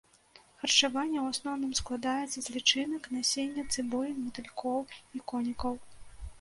Харчаванне ў асноўным складаецца з лічынак, насення, цыбулін, матылькоў і конікаў.